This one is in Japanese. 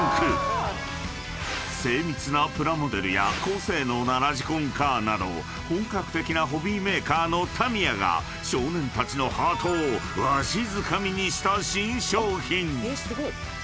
［精密なプラモデルや高性能なラジコンカーなど本格的なホビーメーカーのタミヤが少年たちのハートをわしづかみにした新商品］